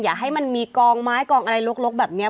อย่าให้มันมีกองไม้กองอะไรลกแบบนี้